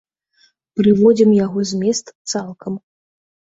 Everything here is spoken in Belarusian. Прыводзім яго змест цалкам.